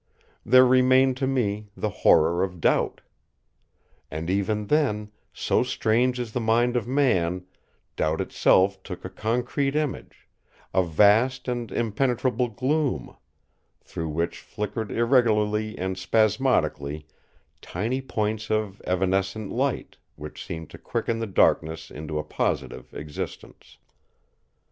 There remained to me the horror of doubt. And even then, so strange is the mind of man, Doubt itself took a concrete image; a vast and impenetrable gloom, through which flickered irregularly and spasmodically tiny points of evanescent light, which seemed to quicken the darkness into a positive existence.